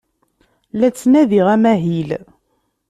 La ttnadiɣ amahil.